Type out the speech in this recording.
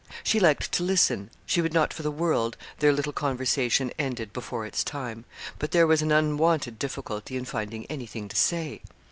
She liked to listen; she would not for the world their little conversation ended before its time; but there was an unwonted difficulty in finding anything to say.